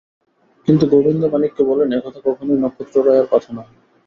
কিন্তু গোবিন্দমাণিক্য বলিলেন, এ কথা কখনোই নক্ষত্ররায়ের কথা নহে।